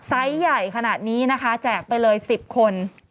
ใหญ่ขนาดนี้นะคะแจกไปเลย๑๐คน